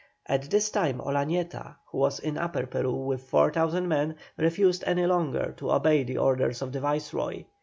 At this time Olañeta, who was in Upper Peru with 4,000 men, refused any longer to obey the orders of the Viceroy.